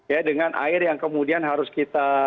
ya dengan air yang kemudian harus kita